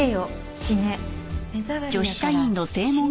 死ね。